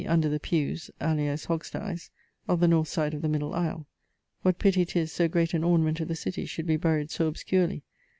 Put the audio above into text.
under the piewes (alias hoggsties) of the north side of the middle aisle (what pitty 'tis so great an ornament of the citty should be buryed so obscurely!)